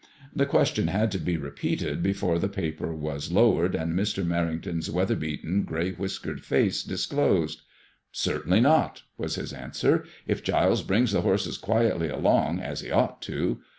'• The question had to be re peated before the paper was lowered, and Mr. Merrington's weather beaten, grey whiskered face disclosed. Certainly not," was his answer, if Giles brings the horses quietly along, as he ought to.